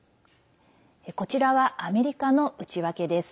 こちらは、アメリカの内訳です。